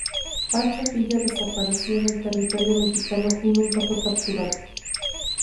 Pancho Villa desapareció en el territorio mexicano y nunca fue capturado.